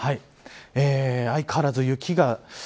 相変わらず雪が。